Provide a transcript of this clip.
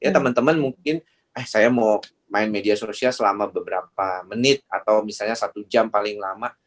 teman teman mungkin eh saya mau main media sosial selama beberapa menit atau misalnya satu jam paling lama